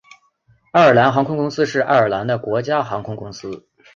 爱尔兰航空公司是爱尔兰的国家航空公司。